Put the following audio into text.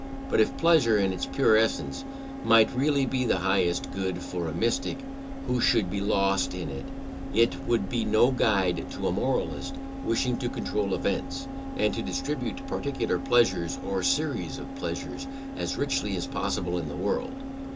But if pleasure, in its pure essence, might really be the highest good for a mystic who should be lost in it, it would be no guide to a moralist wishing to control events, and to distribute particular pleasures or series of pleasures as richly as possible in the world.